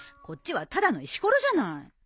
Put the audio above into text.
こっちはただの石ころじゃない。